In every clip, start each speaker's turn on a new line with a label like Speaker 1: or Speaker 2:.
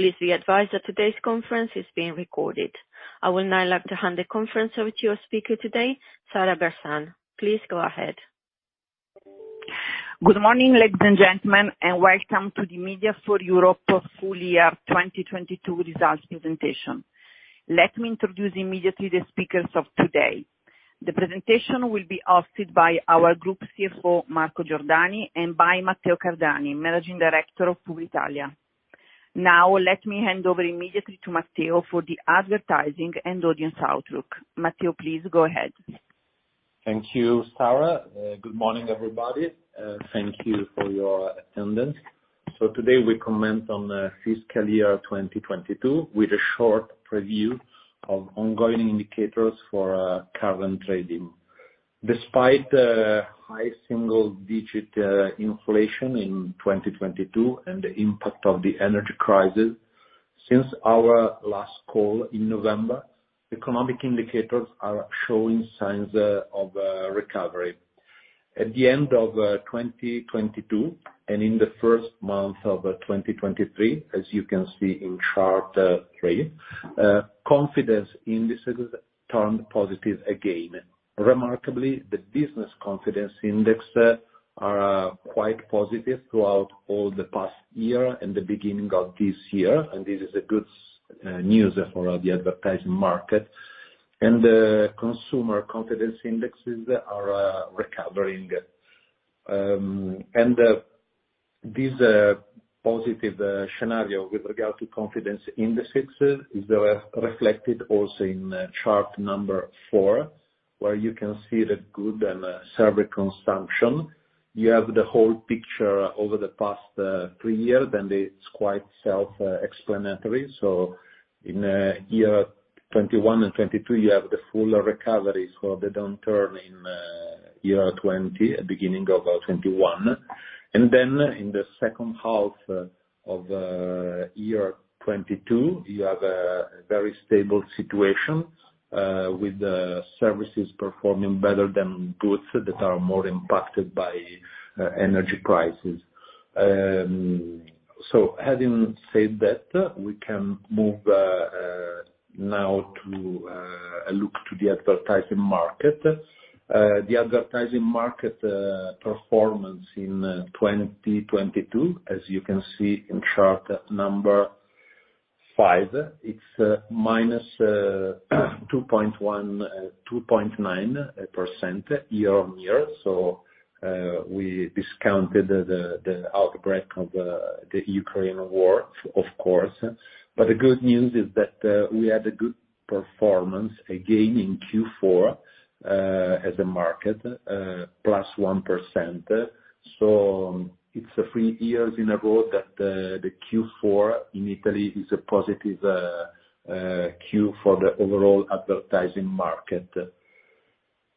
Speaker 1: Please be advised that today's conference is being recorded. I will now like to hand the conference over to your speaker today, Sara Bersan. Please go ahead.
Speaker 2: Good morning, ladies and gentlemen, welcome to the Media for Europe full year 2022 results presentation. Let me introduce immediately the speakers of today. The presentation will be hosted by our Group CFO, Marco Giordani, and by Matteo Cardani, Managing Director of Publitalia. Let me hand over immediately to Matteo for the advertising and audience outlook. Matteo, please go ahead.
Speaker 3: Thank you, Sara. Good morning, everybody. Thank you for your attendance. Today we comment on fiscal year 2022, with a short preview of ongoing indicators for current trading. Despite high single-digit inflation in 2022 and the impact of the energy crisis, since our last call in November, economic indicators are showing signs of recovery. At the end of 2022 and in the first month of 2023, as you can see in chart three, confidence indices turned positive again. Remarkably, the business confidence index are quite positive throughout all the past year and the beginning of this year, and this is a good news for the advertising market. Consumer confidence indexes are recovering. This positive scenario with regard to confidence indices is reflected also in chart number four, where you can see the good and service consumption. You have the whole picture over the past three years, and it's quite self-explanatory. In year 2021 and 2022, you have the full recovery for the downturn in year 2020, beginning of 2021. In the second half of year 2022, you have a very stable situation with the services performing better than goods that are more impacted by energy prices. Having said that, we can move now to look to the advertising market. The advertising market performance in 2022, as you can see in chart number five, it's minus 2.9% year-over-year. We discounted the outbreak of the Ukraine war, of course. The good news is that we had a good performance again in Q4 as a market, +1%. It's three years in a row that the Q4 in Italy is a positive Q for the overall advertising market.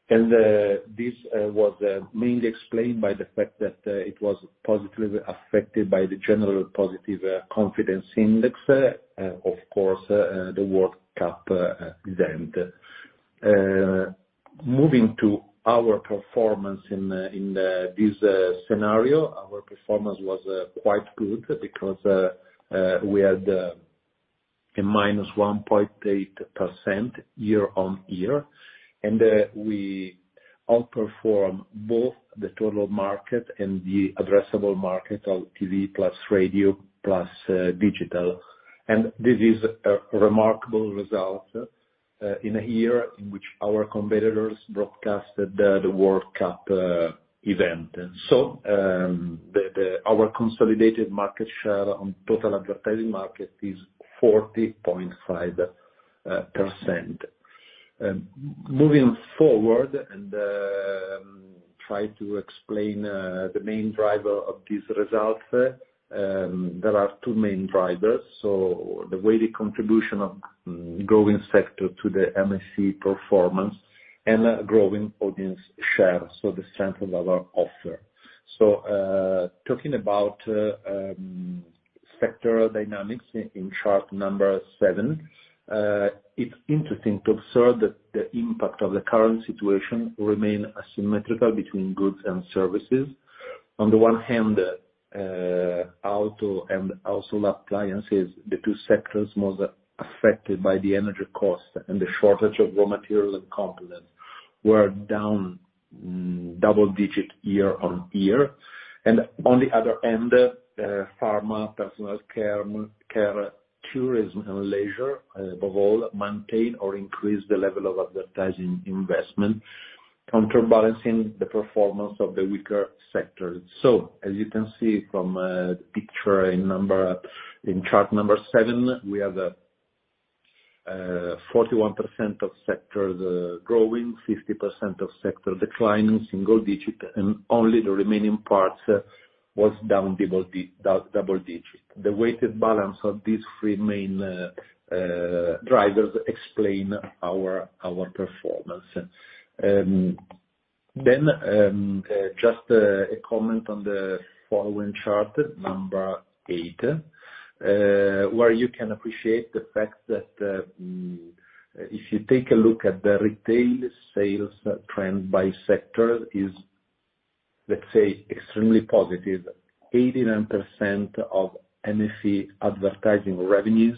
Speaker 3: This was mainly explained by the fact that it was positively affected by the general positive confidence index, of course, the World Cup event. Moving to our performance in this scenario. Our performance was quite good because we had a -1.8% year-on-year. We outperformed both the total market and the addressable market of TV plus radio plus digital. This is a remarkable result in a year in which our competitors broadcasted the World Cup event. Our consolidated market share on total advertising market is 40.5%. Moving forward and try to explain the main driver of this result. There are two main drivers. The weighted contribution of growing sector to the MFE performance and a growing audience share, so the strength of our offer. Talking about sector dynamics in chart number seven, it's interesting to observe that the impact of the current situation remain asymmetrical between goods and services. On the one hand, auto and household appliances, the two sectors most affected by the energy cost and the shortage of raw materials and components, were down double-digit year-over-year. On the other end, pharma, personal care, tourism and leisure, above all, maintain or increase the level of advertising investment, counterbalancing the performance of the weaker sectors. As you can see from the picture in chart number seven, we have 41% of sectors growing, 50% of sectors declining single digit, and only the remaining parts was down double digit. The weighted balance of these three main drivers explain our performance. Just a comment on the following chart number eight, where you can appreciate the fact that if you take a look at the retail sales trend by sector is extremely positive, 89% of MSC advertising revenues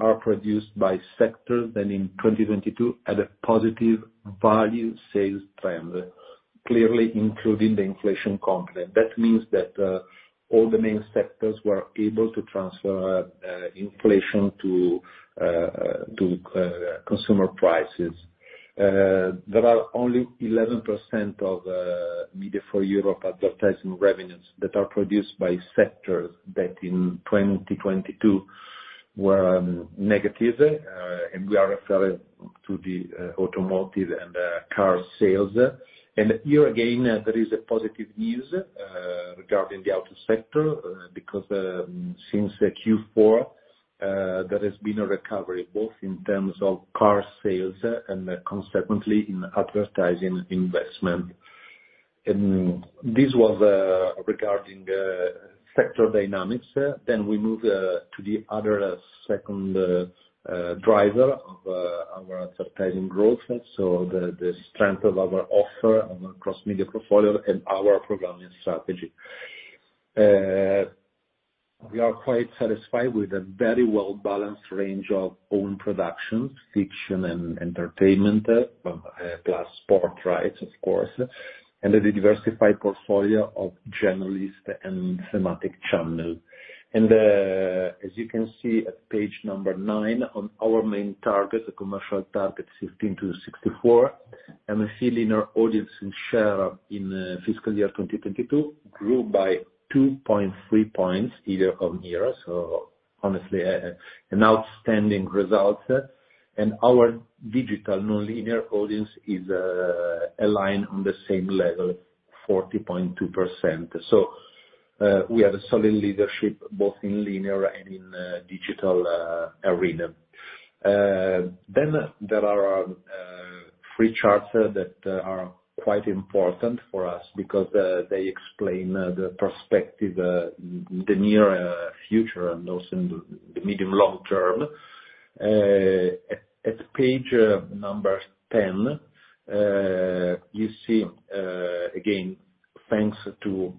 Speaker 3: are produced by sectors than in 2022 at a positive value sales trend, clearly including the inflation component. That means that, all the main sectors were able to transfer inflation to consumer prices. There are only 11% of MFE-MediaForEurope advertising revenues that are produced by sectors that in 2022 were negative, and we are referring to the automotive and car sales. Here again, there is a positive news regarding the auto sector, because since Q4, there has been a recovery, both in terms of car sales and consequently in advertising investment. This was regarding the sector dynamics. We move to the other second driver of our advertising growth. The strength of our offer on our cross-media portfolio and our programming strategy. We are quite satisfied with a very well-balanced range of own productions, fiction and entertainment, plus sport rights of course, and a diversified portfolio of generalist and thematic channel. As you can see at page number nine on our main targets, the commercial target 16 to 64, MSC linear audience and share in fiscal year 2022 grew by 2.3 points year-on-year. Honestly, an outstanding result. Our digital nonlinear audience is aligned on the same level, 40.2%. We have a solid leadership both in linear and in digital arena. There are three charts that are quite important for us because they explain the perspective, the near future and also the medium long term. At page 10, you see, again, thanks to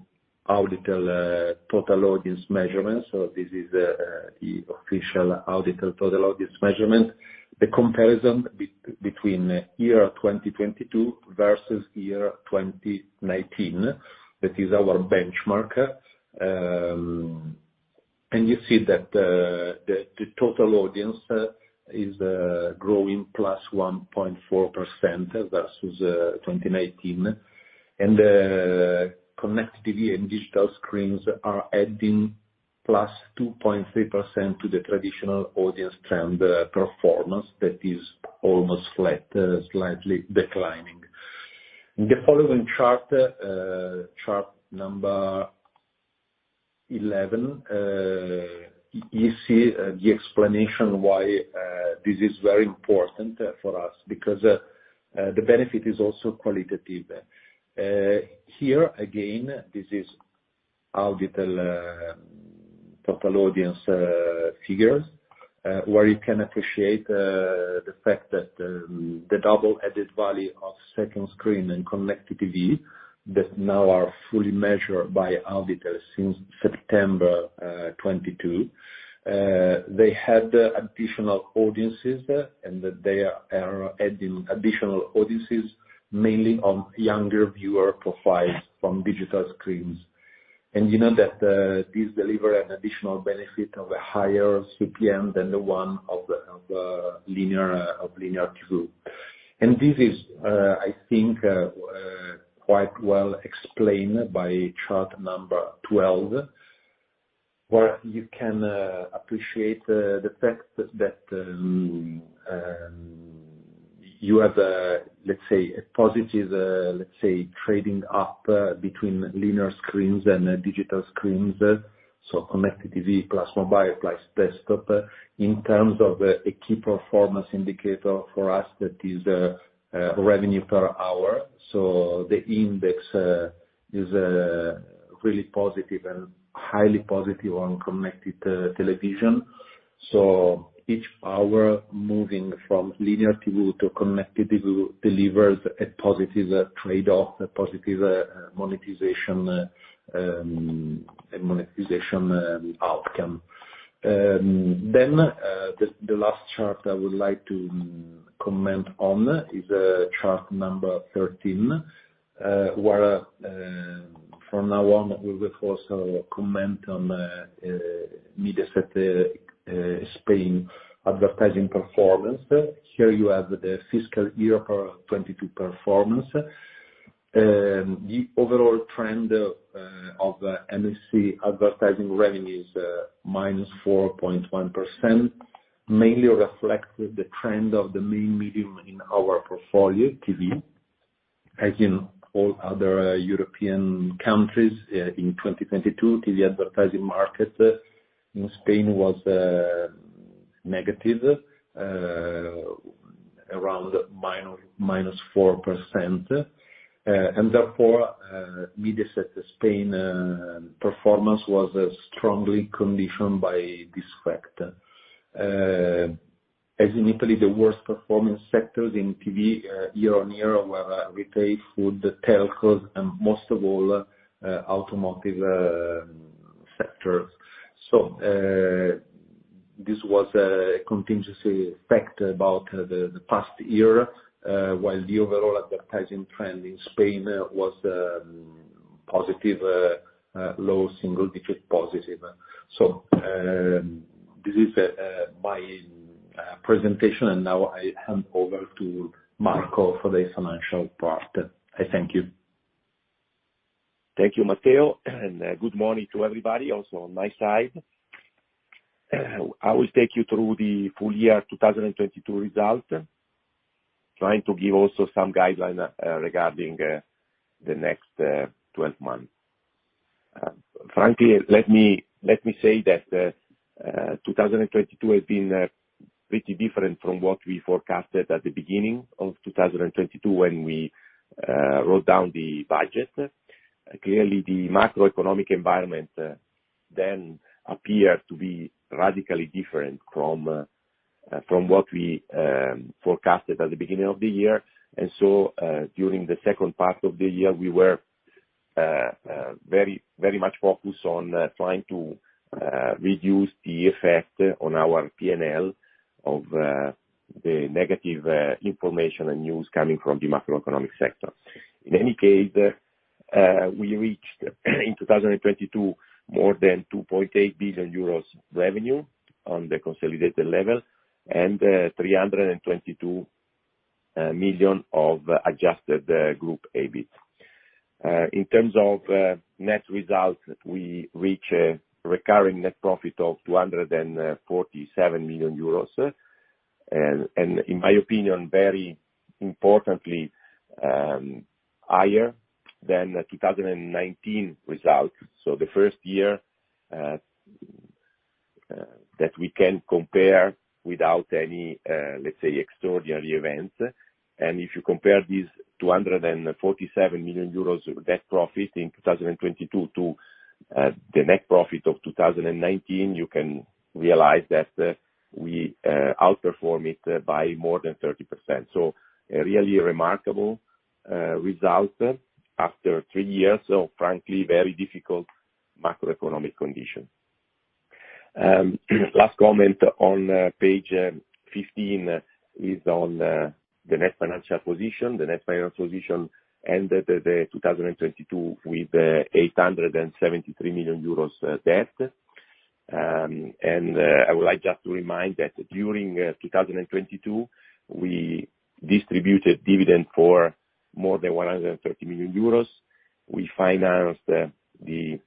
Speaker 3: Auditel, total audience measurements, so this is the official Auditel total audience measurement. The comparison between year 2022 versus year 2019. That is our benchmark. You see that the total audience is growing +1.4% versus 2019. Connected TV and digital screens are adding +2.3% to the traditional audience trend performance that is almost flat, slightly declining. In the following chart 11, you see the explanation why this is very important for us because the benefit is also qualitative. Here again, this is Auditel, total audience figures, where you can appreciate the fact that the double added value of second screen and connected TV that now are fully measured by Auditel since September 2022. They had additional audiences, and that they are adding additional audiences, mainly on younger viewer profiles from digital screens. You know that, this deliver an additional benefit of a higher CPM than the one of linear TV. This is, I think, quite well explained by chart number 12, where you can appreciate the fact that you have a, let's say, a positive, let's say, trading up between linear screens and digital screens, so connected TV plus mobile plus desktop, in terms of a key performance indicator for us that is revenue per hour. The index is really positive and highly positive on connected TV. Each hour moving from linear TV to connected TV delivers a positive trade off, a positive monetization outcome. The last chart I would like to comment on is chart number 13, where from now on, we will also comment on Mediaset España advertising performance. Here you have the fiscal year 2022 performance. The overall trend of MSC advertising revenues, minus 4.1%, mainly reflects the trend of the main medium in our portfolio, TV. As in all other European countries, in 2022, TV advertising market in Spain was negative, around minus 4%. Therefore, Mediaset España performance was strongly conditioned by this factor. As in Italy, the worst performing sectors in TV year-on-year were retail, food, telco, and most of all, automotive sector. This was a contingency effect about the past year, while the overall advertising trend in Spain was positive, low single digit positive. This is my presentation, and now I hand over to Marco for the financial part. I thank you.
Speaker 4: Thank you, Matteo, and good morning to everybody also on my side. I will take you through the full year 2022 result, trying to give also some guideline regarding the next 12 months. Frankly, let me say that 2022 has been pretty different from what we forecasted at the beginning of 2022 when we wrote down the budget. Clearly, the macroeconomic environment then appeared to be radically different from what we forecasted at the beginning of the year. During the second part of the year, we were very much focused on trying to reduce the effect on our PNL of the negative information and news coming from the macroeconomic sector. In any case, we reached in 2022 more than 2.8 billion euros revenue on the consolidated level and 322 million of adjusted group EBIT. In terms of net result, we reach a recurring net profit of 247 million euros, and in my opinion, very importantly, higher than the 2019 result. The first year that we can compare without any, let's say, extraordinary events. If you compare these 247 million euros of net profit in 2022 to the net profit of 2019, you can realize that we outperform it by more than 30%. A really remarkable result after three years of, frankly, very difficult macroeconomic condition. Last comment on page 15 is on the net financial position. The net financial position ended 2022 with EUR 873 million debt. I would like just to remind that during 2022, we distributed dividend for more than 130 million euros. We financed the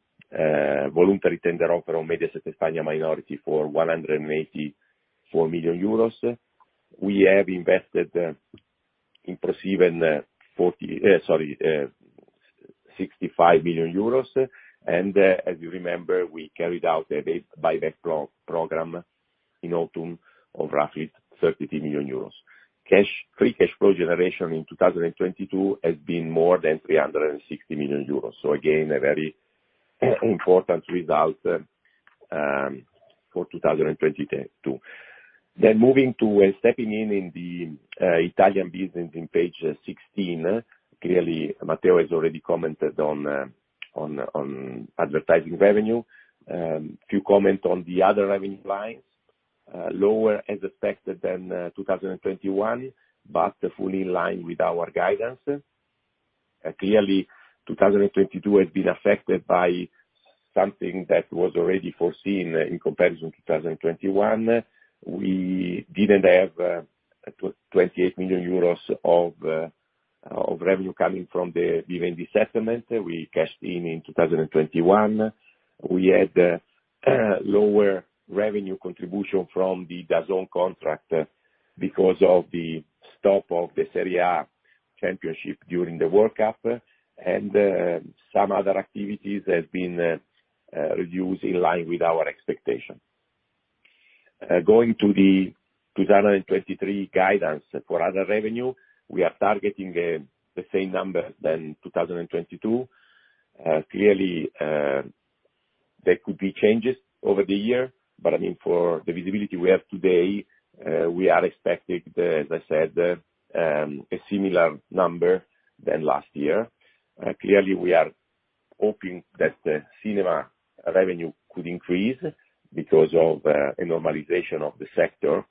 Speaker 4: voluntary tender offer on Mediaset España minority for 184 million euros. We have invested in ProSiebenSat.1 65 million euros. As you remember, we carried out a buyback program in autumn of roughly 30 million euros. Free cash flow generation in 2022 has been more than 360 million euros. Again, a very important result for 2022. Moving to stepping in the Italian business in page 16. Clearly, Matteo has already commented on advertising revenue. Few comment on the other revenue lines, lower as expected than 2021, but fully in line with our guidance. Clearly, 2022 has been affected by something that was already foreseen in comparison to 2021. We didn't have 28 million euros of revenue coming from the Vivendi settlement we cashed in in 2021. We had lower revenue contribution from the DAZN contract because of the stop of the Serie A championship during the World Cup, and some other activities has been reduced in line with our expectation. Going to the 2023 guidance for other revenue, we are targeting the same number than 2022. Clearly, there could be changes over the year, but I mean, for the visibility we have today, we are expecting, as I said, a similar number than last year. Clearly, we are hoping that the cinema revenue could increase because of a normalization of the sector.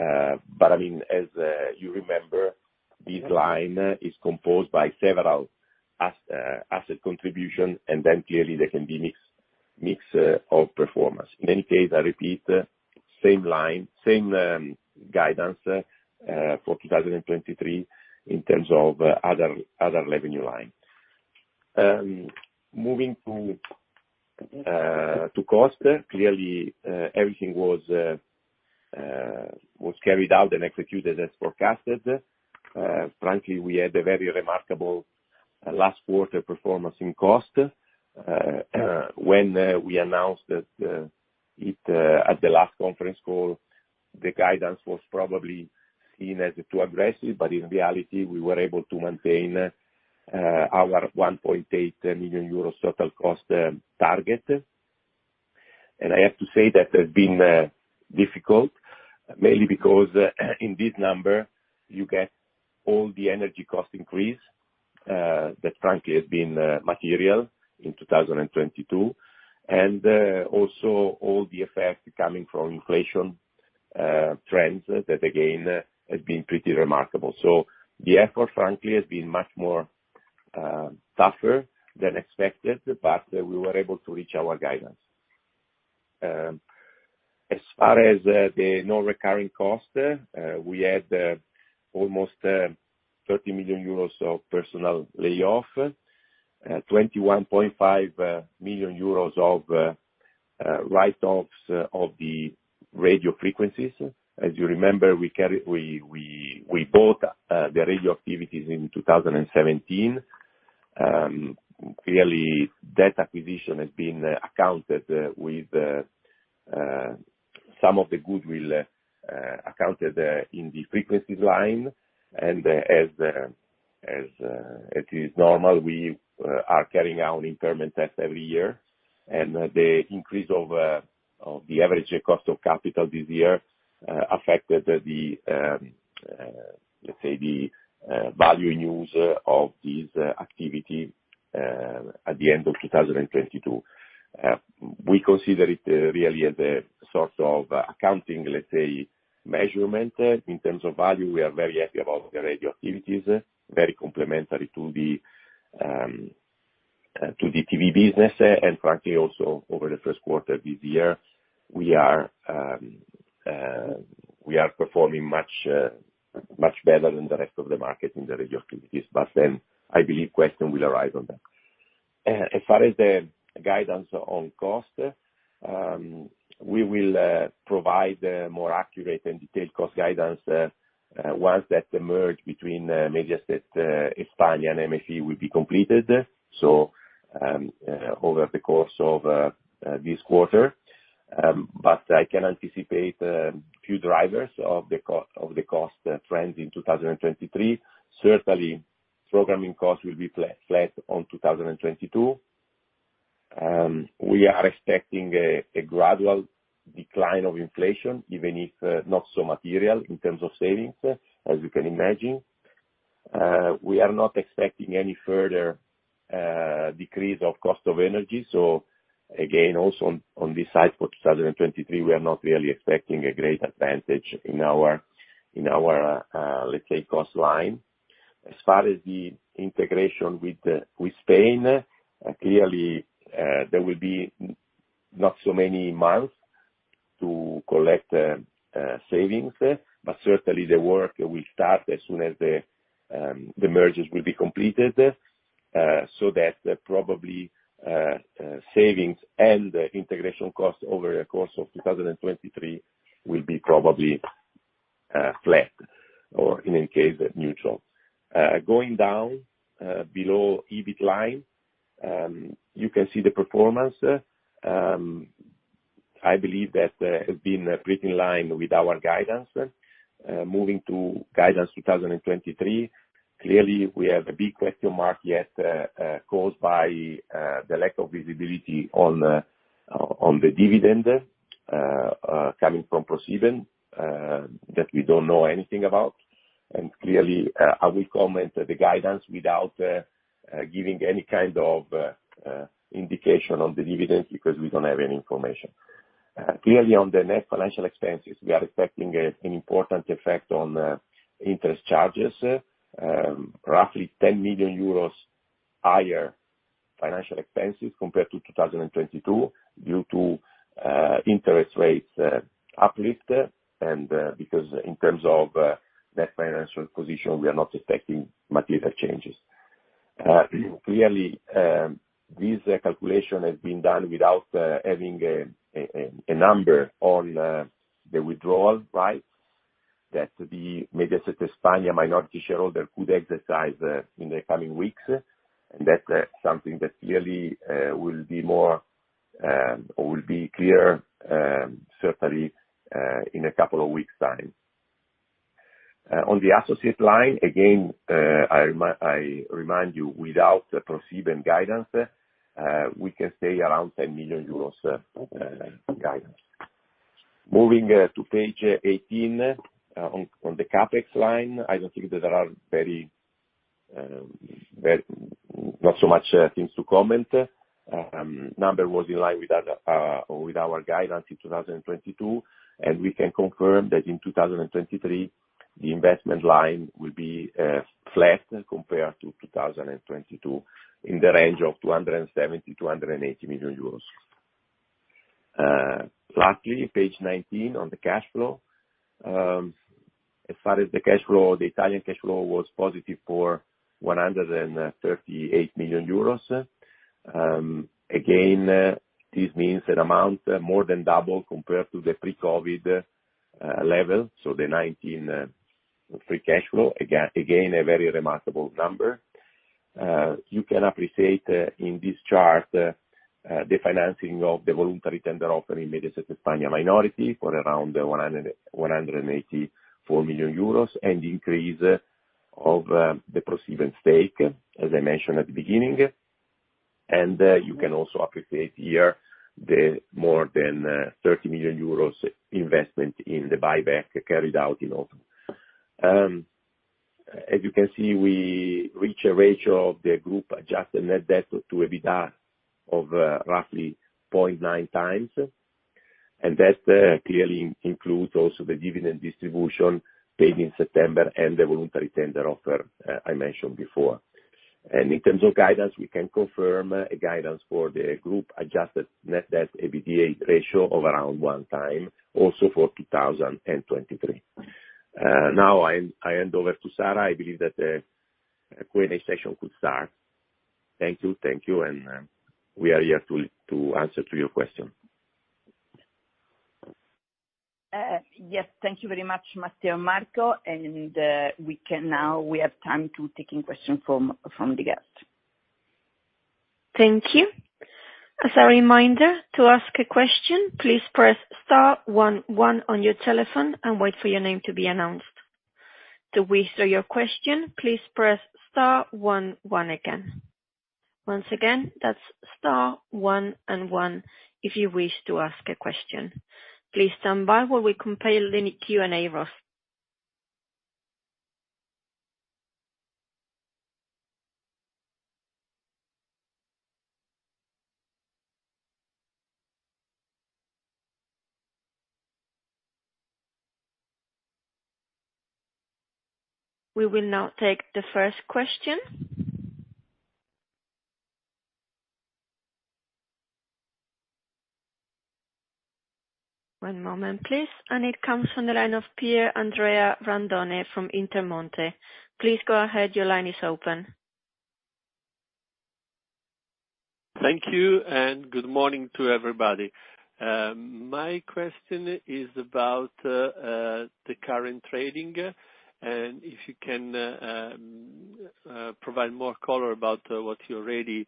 Speaker 4: I mean, as you remember, this line is composed by several asset contribution, and then clearly there can be mix of performance. In any case, I repeat, same line, same guidance for 2023 in terms of other revenue line. Moving to cost, clearly, everything was carried out and executed as forecasted. Frankly, we had a very remarkable last quarter performance in cost, when we announced that at the last conference call, the guidance was probably seen as too aggressive, but in reality, we were able to maintain our 1.8 million euros total cost target. I have to say that has been difficult, mainly because in this number, you get all the energy cost increase that frankly has been material in 2022. Also all the effects coming from inflation trends that again have been pretty remarkable. The effort frankly has been much more tougher than expected, but we were able to reach our guidance. As far as the non-recurring costs, we had almost 30 million euros of personal layoff, 21.5 million euros of write-offs of the radio frequencies. As you remember, we bought the radio activities in 2017. Clearly that acquisition has been accounted with some of the goodwill accounted in the frequencies line. As is normal, we are carrying out impairment test every year. The increase of the average cost of capital this year affected the value use of these activities at the end of 2022. We consider it really as a sort of accounting measurement. In terms of value, we are very happy about the radio activities, very complementary to the TV business. Frankly, also over the first quarter this year, we are performing much better than the rest of the market in the radio activities. I believe question will arise on that. As far as the guidance on cost, we will provide more accurate and detailed cost guidance once that the merge between Mediaset España and MFE will be completed, so over the course of this quarter. I can anticipate a few drivers of the cost trends in 2023. Certainly, programming costs will be flat on 2022. We are expecting a gradual decline of inflation, even if not so material in terms of savings, as you can imagine. We are not expecting any further decrease of cost of energy. Again, also on this side for 2023, we are not really expecting a great advantage in our, let's say, cost line. As far as the integration with Spain, clearly, there will be not so many months to collect savings. Certainly the work will start as soon as the merges will be completed, so that probably savings and integration costs over the course of 2023 will be probably flat, or in any case, neutral. Going down below EBIT line, you can see the performance. I believe that has been pretty in line with our guidance. Moving to guidance 2023, clearly, we have a big question mark yet caused by the lack of visibility on the dividend coming from ProSiebenSat.1 that we don't know anything about. Clearly, I will comment the guidance without giving any kind of indication on the dividend because we don't have any information. Clearly on the net financial expenses, we are expecting an important effect on interest charges, roughly 10 million euros higher financial expenses compared to 2022 due to interest rates uplift. Because in terms of net financial position, we are not expecting material changes. Clearly, this calculation has been done without having a number on the withdrawal rights that the Mediaset España minority shareholder could exercise in the coming weeks. That's something that clearly will be more or will be clear certainly in a couple of weeks' time. On the associate line, again, I remind you, without the ProSiebenSat.1 guidance, we can stay around 10 million euros guidance. Moving to page 18, on the CapEx line, I don't think that there are very not so much things to comment. Number was in line with our guidance in 2022, and we can confirm that in 2023, the investment line will be flat compared to 2022, in the range of 270 million-180 million euros. Lastly, page 19 on the cash flow. As far as the cash flow, the Italian cash flow was positive for 138 million euros. Again, this means an amount more than double compared to the pre-COVID level, so the 2019 free cash flow. Again, a very remarkable number. You can appreciate in this chart the financing of the voluntary tender offer in Mediaset España minority for around EUR 100 million, 184 million euros.
Speaker 3: Of the proceeding stake, as I mentioned at the beginning, you can also appreciate here the more than 30 million euros investment in the buyback carried out in autumn. As you can see, we reach a ratio of the group-adjusted net debt to EBITDA of roughly 0.9 times. That clearly includes also the dividend distribution paid in September and the voluntary tender offer I mentioned before. In terms of guidance, we can confirm a guidance for the group-adjusted net debt to EBITDA ratio of around one time, also for 2023. Now I hand over to Sara. I believe that Q&A session could start. Thank you. Thank you. We are here to answer to your question.
Speaker 2: Yes, thank you very much, Matteo and Marco, and we have time to taking question from the guest.
Speaker 1: Thank you. As a reminder, to ask a question, please press star one one on your telephone and wait for your name to be announced. To withdraw your question, please press star one one again. Once again, that's star one and one if you wish to ask a question. Please stand by while we compile the Q&A row. We will now take the first question. One moment, please. It comes from the line of Pier Andrea Randone from Intermonte. Please go ahead. Your line is open.
Speaker 5: Thank you and good morning to everybody. My question is about the current trading. If you can provide more color about what you already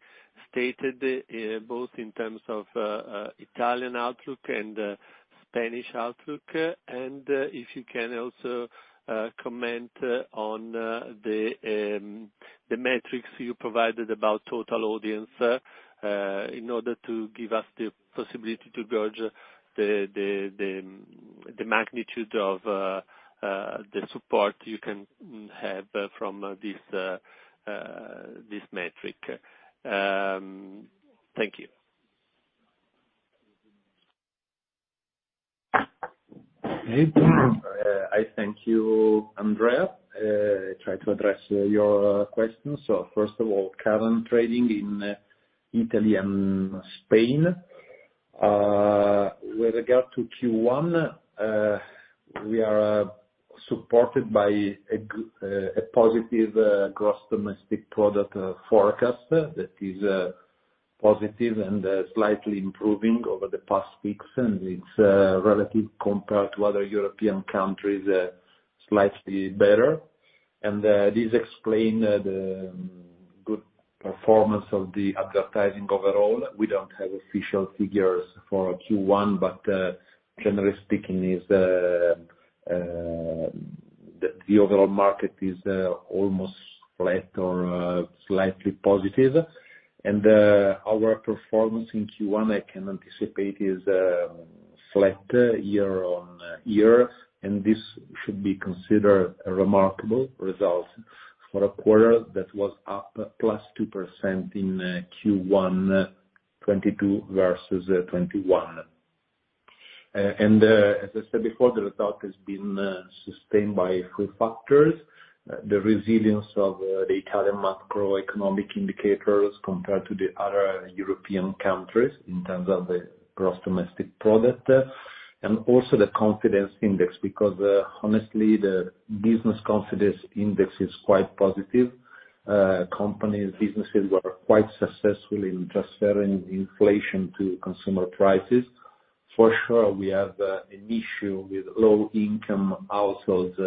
Speaker 5: stated, both in terms of Italian outlook and Spanish outlook. If you can also comment on the metrics you provided about total audience in order to give us the possibility to gauge the magnitude of the support you can have from this metric. Thank you.
Speaker 3: I thank you, Andrea. I try to address your question. First of all, current trading in Italy and Spain. With regard to Q1, we are supported by a positive gross domestic product forecast that is positive and slightly improving over the past weeks, and it's relative compared to other European countries slightly better. This explain the good performance of the advertising overall. We don't have official figures for Q1, generally speaking, it's the overall market is almost flat or slightly positive. Our performance in Q1, I can anticipate, is flat year-on-year, and this should be considered a remarkable result for a quarter that was up +2% in Q1 2022 versus 2021. As I said before, the result has been sustained by three factors, the resilience of the Italian macroeconomic indicators compared to the other European countries in terms of the gross domestic product, and also the confidence index, because honestly, the business confidence index is quite positive. Companies, businesses were quite successful in transferring inflation to consumer prices. For sure, we have an issue with low-income households.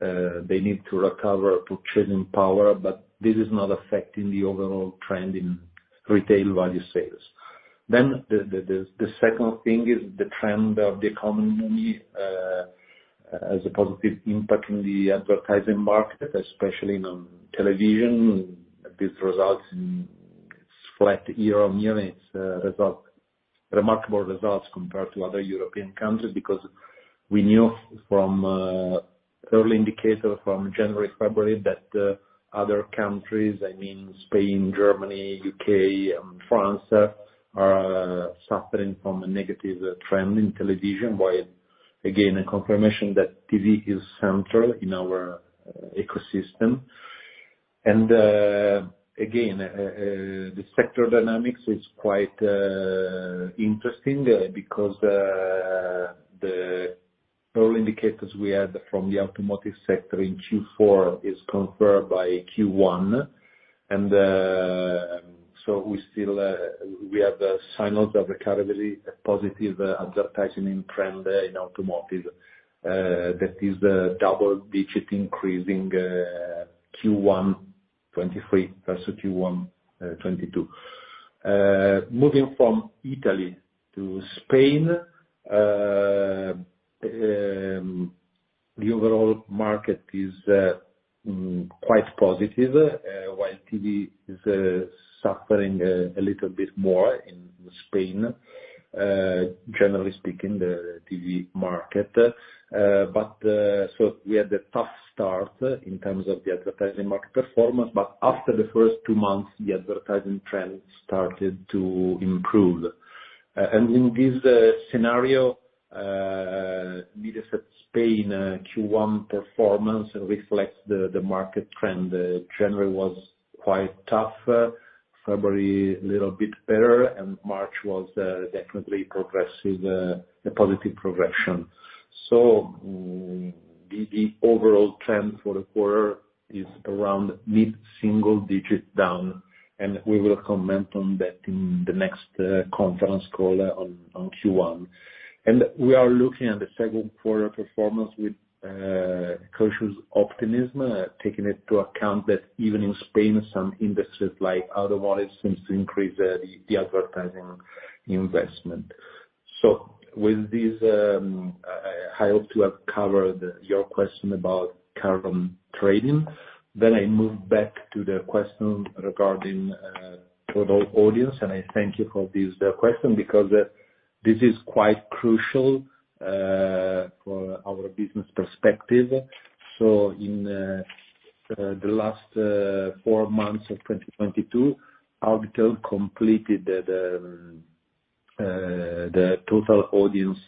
Speaker 3: They need to recover purchasing power, this is not affecting the overall trend in retail value sales. The second thing is the trend of the economy as a positive impact in the advertising market, especially on television. This results in flat year on units, remarkable results compared to other European countries because we knew from early indicators from January, February that other countries, I mean Spain, Germany, U.K. and France, are suffering from a negative trend in television. While again, a confirmation that TV is central in our ecosystem. Again, the sector dynamics is quite interesting because the early indicators we had from the automotive sector in Q4 is confirmed by Q1. We still have the signals of a very positive advertising trend in automotive that is a double-digit increasing Q1 2023 versus Q1 2022. Moving from Italy to Spain, the overall market is quite positive, while TV is suffering a little bit more in Spain, generally speaking, the TV market. We had a tough start in terms of the advertising market performance, but after the first two months, the advertising trends started to improve. In this scenario, Mediaset España Q1 performance reflects the market trend. January was quite tough, February little bit better, and March was definitely progressive, a positive progression. The overall trend for the quarter is around mid-single digit down, and we will comment on that in the next conference call on Q1. We are looking at the second quarter performance with cautious optimism, taking into account that even in Spain, some industries like automotive seems to increase the advertising investment. With this, I hope to have covered your question about current trading. I move back to the question regarding total audience, and I thank you for this question because this is quite crucial for our business perspective. In the last four months of 2022, Auditel completed the total audience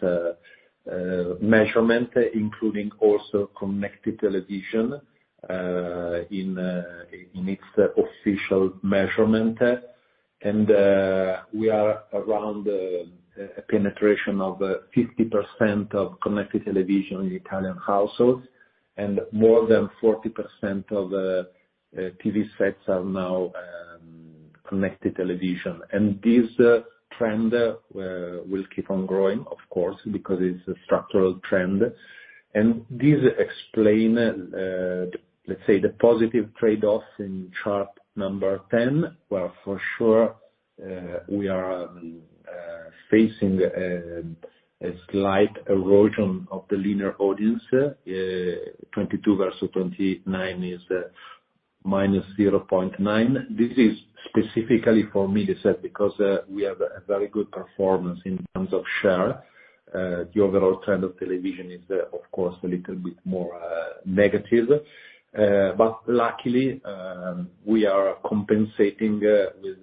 Speaker 3: measurement, including also connected television in its official measurement. We are around a penetration of 50% of connected television in Italian households, and more than 40% of TV sets are now connected television. This trend will keep on growing, of course, because it's a structural trend. This explain, let's say the positive trade-offs in chart 10, where for sure, we are facing a slight erosion of the linear audience. 22 versus 29 is -0.9. This is specifically for Mediaset because we have a very good performance in terms of share. The overall trend of television is, of course, a little bit more negative. But luckily, we are compensating with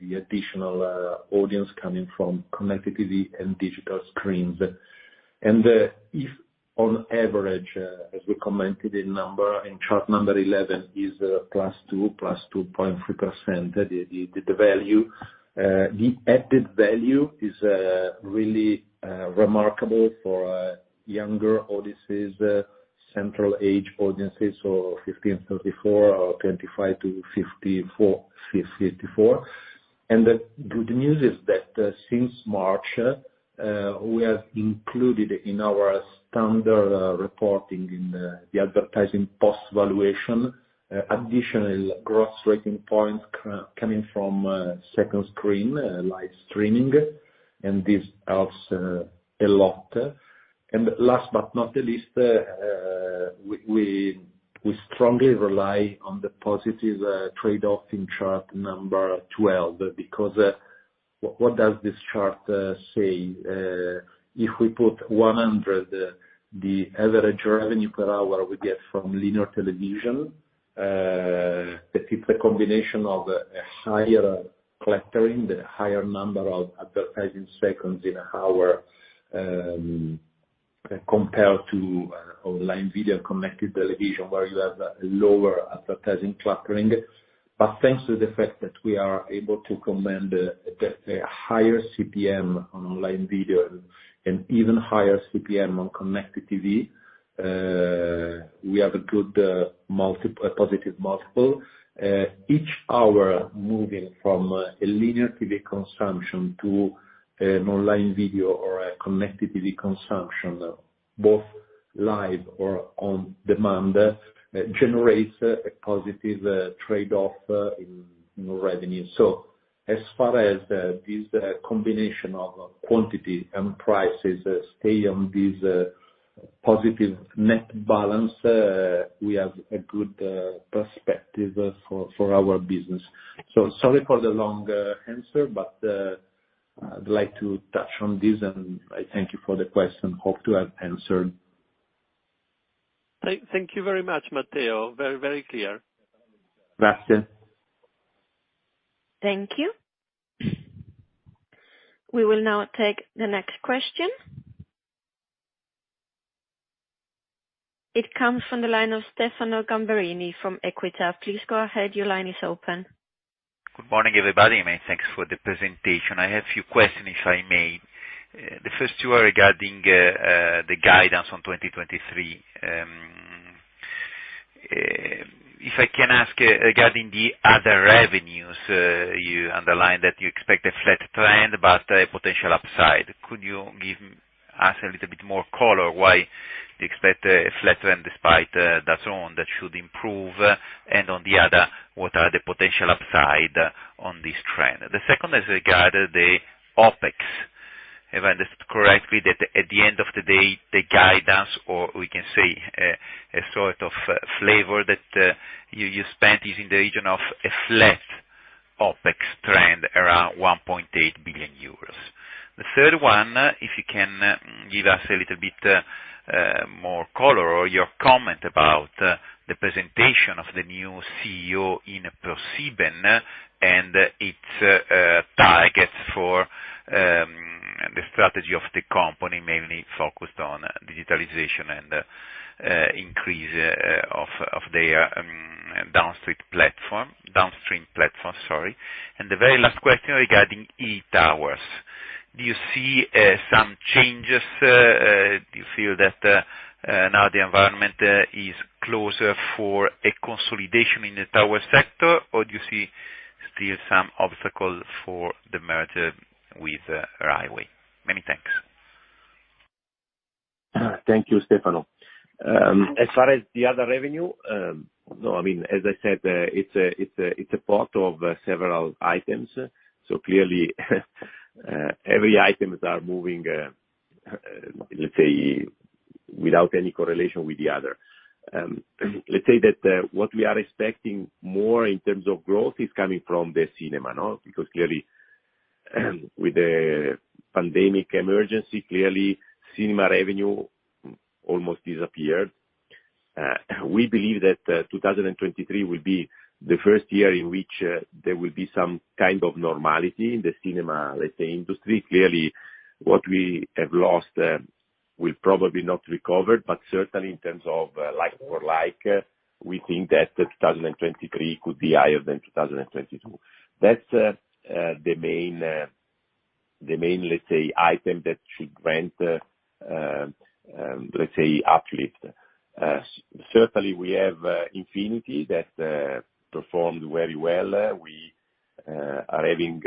Speaker 3: the additional audience coming from connected TV and digital screens. If on average, as we commented in number, in chart 11 is +2, +2.3%, the value. The added value is really remarkable for younger audiences, central age audiences, so 15-34, or 25-54. The good news is that since March, we have included in our standard reporting in the advertising post valuation, additional gross rating points coming from second screen, live streaming, and this helps a lot. Last but not the least, we strongly rely on the positive trade-offs in chart number 12 because what does this chart say? If we put 100 the average revenue per hour we get from linear television, that is a combination of a higher cluttering, the higher number of advertising seconds in an hour, compared to online video connected television, where you have a lower advertising cluttering. Thanks to the fact that we are able to command the higher CPM on online video and even higher CPM on connected TV, we have a good multiple, a positive multiple. Each hour moving from a linear TV consumption to an online video or a connected TV consumption, both live or on demand, generates a positive trade-off in revenue. As far as this combination of quantity and prices stay on this positive net balance, we have a good perspective for our business. Sorry for the long answer, but I'd like to touch on this, and I thank you for the question. Hope to have answered.
Speaker 5: Thank you very much, Matteo. Very clear.
Speaker 3: Grazie.
Speaker 1: Thank you. We will now take the next question. It comes from the line of Stefano Gamberini from EQUITA. Please go ahead. Your line is open.
Speaker 6: Good morning, everybody. Many thanks for the presentation. I have a few questions, if I may. The first two are regarding the guidance on 2023. If I can ask regarding the other revenues, you underlined that you expect a flat trend but a potential upside. Could you give Us a little bit more color why you expect a flat trend despite DAZN that should improve, and on the other, what are the potential upside on this trend? The second is regarding the OpEx. If I understood correctly, that at the end of the day, the guidance, or we can say, a sort of flavor that you spent is in the region of a flat OpEx trend around 1.8 billion euros. The third one, if you can give us a little bit more color or your comment about the presentation of the new CEO in ProSiebenSat.1 and its targets for the strategy of the company, mainly focused on digitalization and increase of their downstream platform, sorry. The very last question regarding EI Towers. Do you see some changes? Do you feel that now the environment is closer for a consolidation in the tower sector? Or do you see still some obstacles for the merger with Rai Way? Many thanks.
Speaker 4: Thank you, Stefano. As far as the other revenue, no, I mean, as I said, it's a part of several items. Clearly, every items are moving, let's say, without any correlation with the other. Let's say that what we are expecting more in terms of growth is coming from the cinema, no? Clearly, with the pandemic emergency, clearly cinema revenue almost disappeared. We believe that 2023 will be the first year in which there will be some kind of normality in the cinema, let's say, industry. Clearly, what we have lost will probably not recover, but certainly in terms of like for like, we think that 2023 could be higher than 2022. That's the main, let's say, item that should grant, let's say uplift. Certainly we have Infinity that performed very well. We are having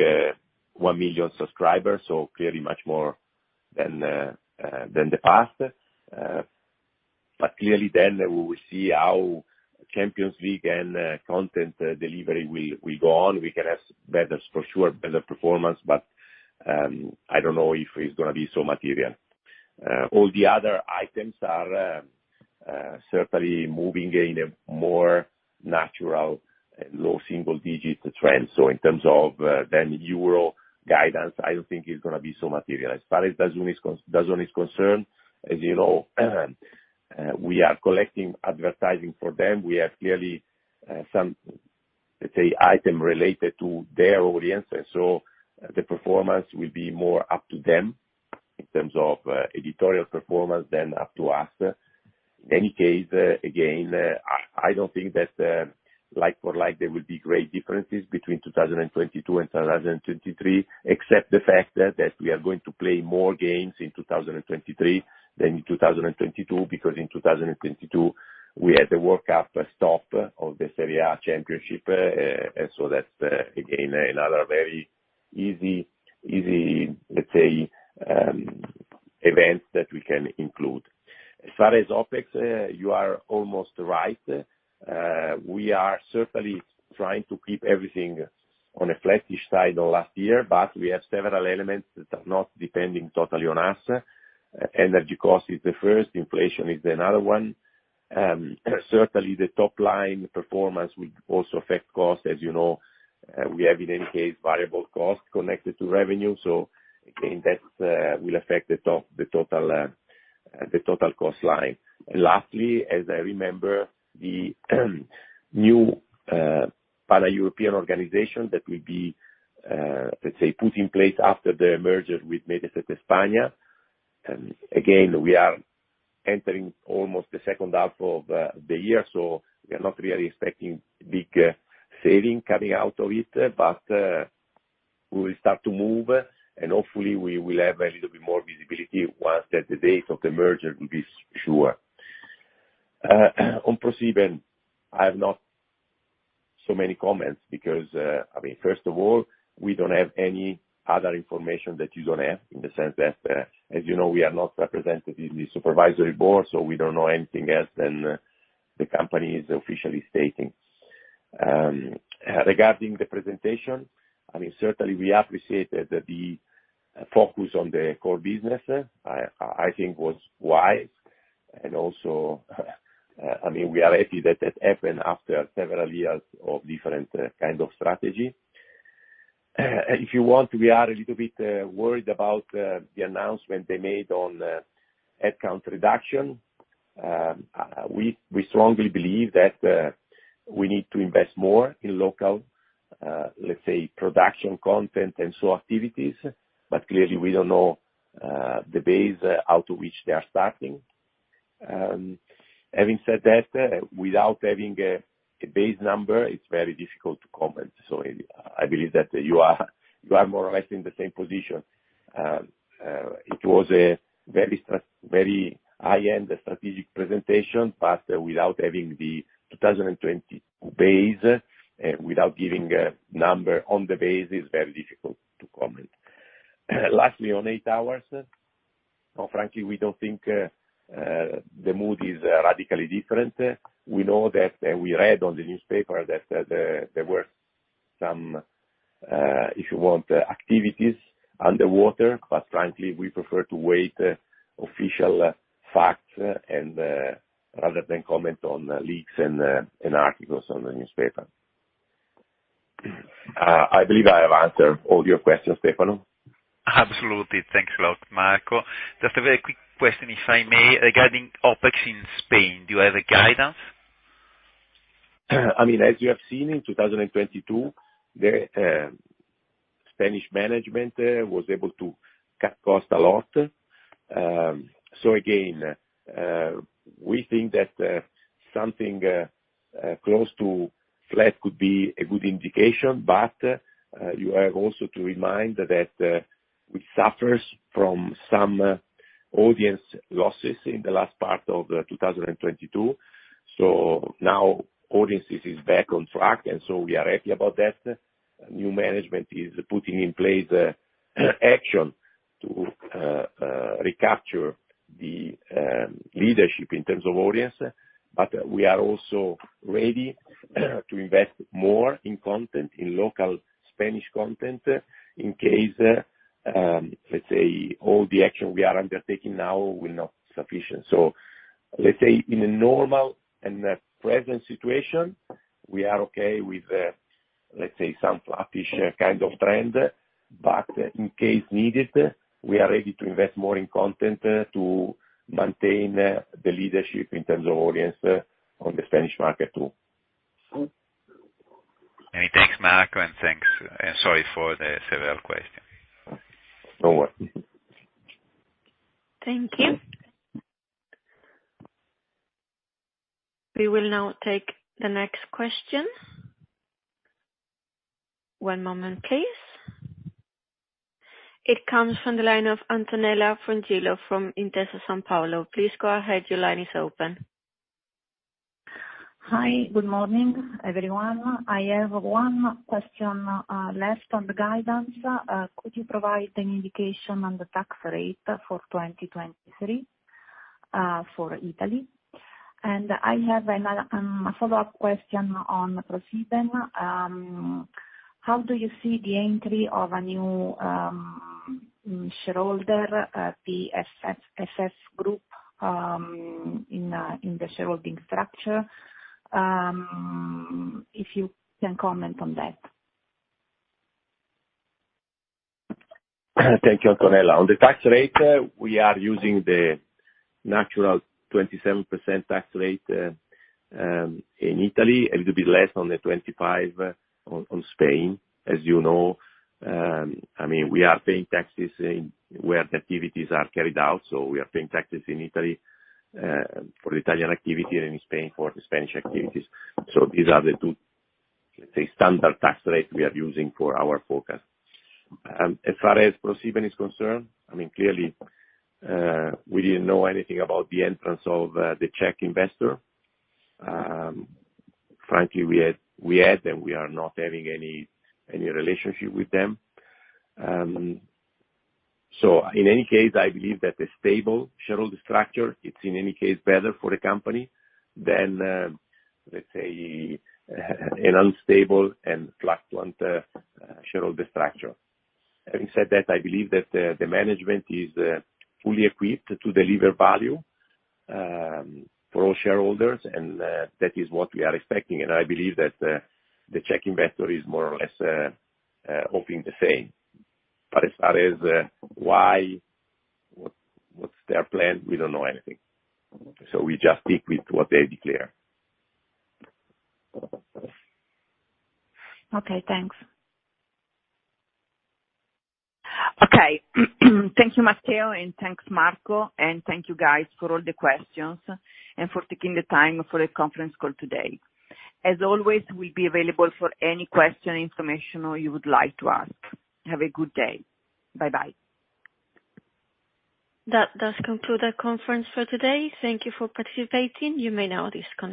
Speaker 4: one million subscribers, so clearly much more than the past. Clearly then we will see how Champions League and content delivery will go on. We can have better, for sure, better performance, I don't know if it's gonna be so material. All the other items are certainly moving in a more natural low single digit trend. In terms of then EUR guidance, I don't think it's gonna be so material. DAZN is concerned, as you know, we are collecting advertising for them. We have clearly, some, let's say, item related to their audience. The performance will be more up to them in terms of, editorial performance than up to us. In any case, again, I don't think that, like for like, there will be great differences between 2022 and 2023, except the fact that we are going to play more games in 2023 than in 2022, because in 2022, we had the World Cup stop of the Serie A championship. That's, again, another very easy, let's say, event that we can include. As far as OpEx, you are almost right. We are certainly trying to keep everything on a flattish side on last year. We have several elements that are not depending totally on us. Energy cost is the first. Inflation is another one. Certainly the top line performance will also affect cost. As you know, we have in any case, variable cost connected to revenue. Again, that will affect the total cost line. Lastly, as I remember, the new pan-European organization that will be, let's say, put in place after the merger with Mediaset España, again, we are entering almost the second half of the year, so we are not really expecting big saving coming out of it. We will start to move, and hopefully we will have a little bit more visibility once that the date of the merger will be sure. On ProSiebenSat.1 I have not so many comments because, I mean, first of all, we don't have any other information that you don't have in the sense that, as you know, we are not represented in the supervisory board, so we don't know anything else than the company is officially stating. Regarding the presentation, I mean, certainly we appreciate the focus on the core business. I think was wise and also, I mean, we are happy that it happened after several years of different kind of strategy. If you want, we are a little bit worried about the announcement they made on the headcount reduction. We strongly believe that we need to invest more in local, let's say, production content and show activities, but clearly we don't know the base out of which they are starting. Having said that, without having a base number, it's very difficult to comment. I believe that you are more or less in the same position. It was a very high-end strategic presentation, but without having the 2022 base, without giving a number on the base, it's very difficult to comment. Lastly, on EI Towers. No, frankly, we don't think the mood is radically different. We know that, and we read on the newspaper that there were some, if you want, activities underwater. frankly, we prefer to wait official facts and rather than comment on leaks and articles on the newspaper. I believe I have answered all your questions, Stefano.
Speaker 6: Absolutely. Thanks a lot, Marco. Just a very quick question, if I may. Regarding OpEx in Spain, do you have a guidance?
Speaker 4: I mean, as you have seen in 2022, the Spanish management was able to cut cost a lot. So again, we think that something close to flat could be a good indication. You have also to remind that we suffers from some audience losses in the last part of 2022. Now audiences is back on track, and so we are happy about that. New management is putting in place action to recapture the leadership in terms of audience. We are also ready to invest more in content, in local Spanish content, in case, let's say, all the action we are undertaking now will not sufficient. Let's say in a normal and a present situation, we are okay with, let's say, some flattish kind of trend. In case needed, we are ready to invest more in content, to maintain the leadership in terms of audience, on the Spanish market too.
Speaker 6: Many thanks, Marco, and thanks. Sorry for the several questions.
Speaker 4: No worry.
Speaker 1: Thank you. We will now take the next question. One moment please. It comes from the line of Antonella Frongillo from Intesa Sanpaolo. Please go ahead. Your line is open.
Speaker 7: Hi. Good morning, everyone. I have one question left on the guidance. Could you provide an indication on the tax rate for 2023 for Italy? I have another follow-up question on ProSiebenSat.1. How do you see the entry of a new shareholder, PPF Group, in the shareholding structure? If you can comment on that.
Speaker 4: Thank you, Antonella. On the tax rate, we are using the natural 27% tax rate in Italy, a little bit less on the 25 on Spain, as you know. I mean, we are paying taxes in where the activities are carried out, we are paying taxes in Italy for Italian activity and in Spain for the Spanish activities. These are the two, let's say, standard tax rates we are using for our forecast. As far as ProSiebenSat.1 is concerned, I mean, clearly, we didn't know anything about the entrance of the Czech investor. Frankly, we had and we are not having any relationship with them. In any case, I believe that a stable shareholder structure, it's in any case better for the company than, let's say, an unstable and fluctuate shareholder structure. Having said that, I believe that the management is fully equipped to deliver value for all shareholders, and that is what we are expecting. I believe that the Czech investor is more or less hoping the same. As far as why, what's their plan, we don't know anything. We just stick with what they declare.
Speaker 7: Okay, thanks.
Speaker 2: Okay. Thank you, Matteo, and thanks, Marco. Thank you guys for all the questions and for taking the time for the conference call today. As always, we'll be available for any question, information, or you would like to ask. Have a good day. Bye-bye.
Speaker 1: That does conclude our conference for today. Thank you for participating. You may now disconnect.